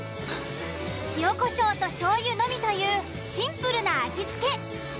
塩こしょうとしょうゆのみというシンプルな味付け。